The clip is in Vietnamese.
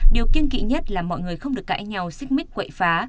điều kiên kỵ nhất là mọi người không được cãi nhau xích mích quậy phá